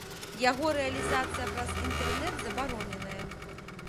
Яго рэалізацыя праз інтэрнэт забароненая.